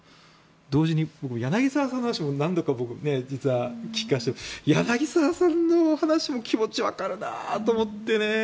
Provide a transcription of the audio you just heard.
同時に柳澤さんの話何度か実は聞かせてもらってて柳澤さんの話も気持ちわかるなと思ってね。